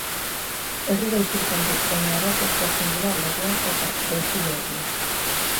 Herrira itzultzen du, baina arazoak sortzen dira legea eta gaizkileekin.